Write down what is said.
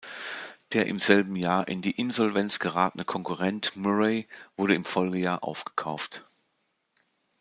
Der im selben Jahr in die Insolvenz geratene Konkurrent Murray wurde im Folgejahr aufgekauft.